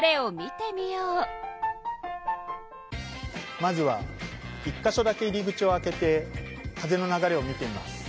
まずは１か所だけ入り口を開けて風の流れを見てみます。